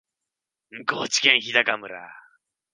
高知県日高村